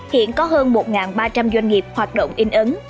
hiện có hơn một ba trăm linh doanh nghiệp hoạt động in ấn